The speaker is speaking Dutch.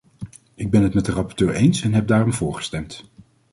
Ik ben het met de rapporteur eens en heb daarom voorgestemd.